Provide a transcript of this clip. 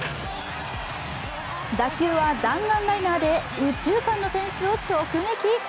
打球は弾丸ライナーで右中間のフェンスを直撃。